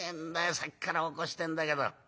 さっきから起こしてんだけど」。